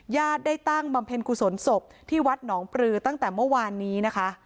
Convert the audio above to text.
ญาติได้ตั้งบำเพ็ญกุศลศพที่วัดหนองปลือตั้งแต่เมื่อวานนี้นะคะ